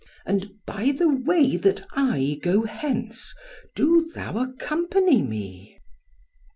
And by the way that I go hence, do thou accompany me."